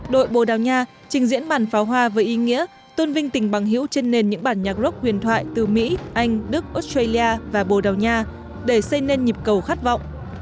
đội bồ đào nha trình diễn bản pháo hoa với ý nghĩa tôn vinh tình bằng hữu trên nền những bản nhạc rock huyền thoại từ mỹ anh đức australia và bồ đào nha để xây nên nhịp cầu khát vọng